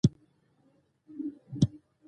پکول یې په یو خاص سټایل پر سر اېښی وو.